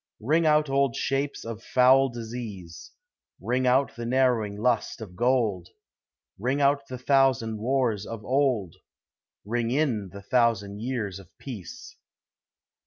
Ring out old shapes of foul disease; Ring out the narrowing lust of gold; Ring out the thousand wars of old, Ring in the thousand years of peace.